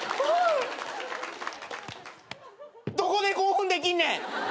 どこで興奮できんねん！